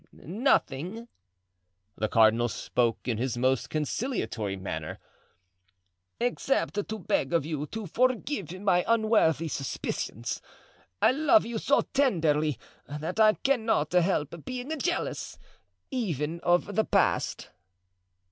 "Nothing,"—the cardinal spoke in his most conciliatory manner—"except to beg of you to forgive my unworthy suspicions. I love you so tenderly that I cannot help being jealous, even of the past."